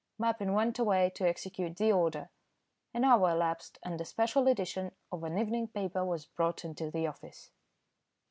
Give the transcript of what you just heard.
Mappin went away to execute the order. An hour elapsed, and a special edition of an evening paper was brought into the office.